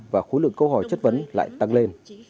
và khối lượng câu hỏi chất vấn lại tăng lên